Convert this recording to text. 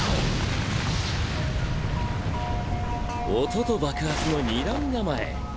音と爆発の二段構え。